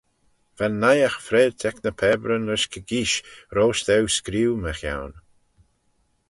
Va'n naight freilt ec ny pabyryn rish kegeeish roish daue screeu mychione.